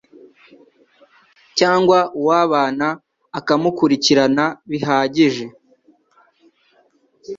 cyangwa uw 'abana akamukurikirana bihagije